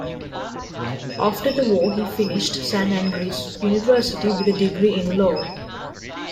After the war he finished San Andres University with a degree in law.